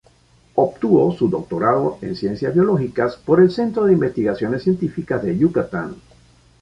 Obtuvo su doctorado en Ciencias Biológicas por el "Centro de Investigaciones Científicas de Yucatán".